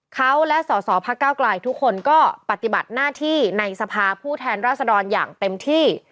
เขาและสอสอพักเก้าไกลทุกคนก็ปฏิบัติหน้าที่ในสภาผู้แทนราษฎรอย่างเต็มที่